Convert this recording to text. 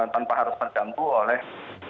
tanpa harus tergantung oleh